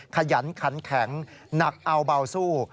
ขยันขันแข็งหนักเอาเบาสู้